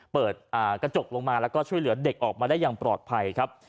เปิดกระจกลงมาแล้วก็ช่วยเหลือเด็กออกมาได้อย่างปลอดภัยครับ